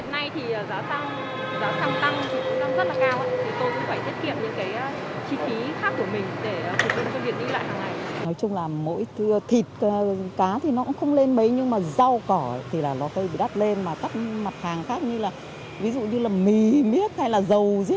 hiện nay thì giá xăng tăng rất là cao tôi cũng phải thiết kiệm những chi phí khác của mình để phục vụ cho việc đi lại hôm nay